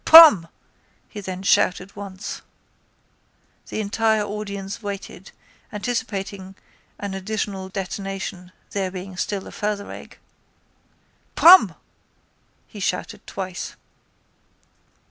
—Pom! he then shouted once. The entire audience waited, anticipating an additional detonation, there being still a further egg. —Pom! he shouted twice.